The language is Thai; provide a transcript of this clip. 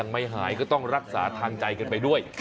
ไม่หายก็ต้องรักษาทางใจกันไปด้วย